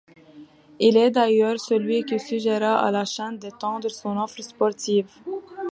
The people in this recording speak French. Il est d'ailleurs celui qui suggéra à la chaîne d'étendre son offre sportive.